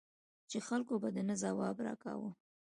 چې خلکو به د نه ځواب را کاوه.